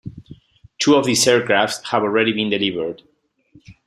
Two of these aircraft have already been delivered.